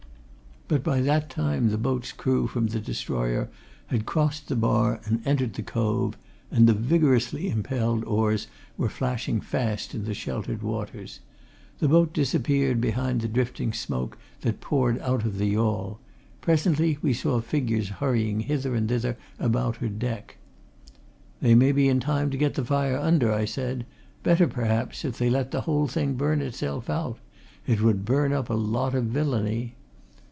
But by that time the boat's crew from the destroyer had crossed the bar and entered the cove and the vigorously impelled oars were flashing fast in the sheltered waters. The boat disappeared behind the drifting smoke that poured out of the yawl presently we saw figures hurrying hither and thither about her deck. "They may be in time to get the fire under," I said. "Better, perhaps, if they let the whole thing burn itself out. It would burn up a lot of villainy."